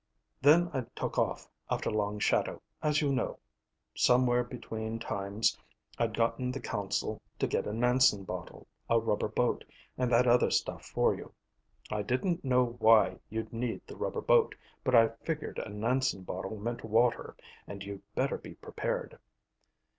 Then I took off after Long Shadow, as you know. Somewhere between times I'd gotten the consul to get a Nansen bottle, a rubber boat, and that other stuff for you. I didn't know why you'd need the rubber boat, but I figured a Nansen bottle meant water and you'd better be prepared."